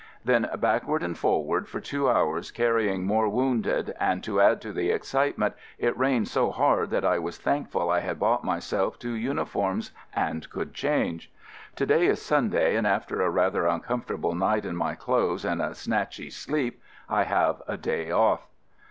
Then backward and forward for two hours carrying more wounded, and to add to the excitement it rained so hard that I was thankful I had bought myself two uni forms and could change. To day is Sun day, and after a rather uncomfortable night in my clothes and a snatchy sleep, I have a day off.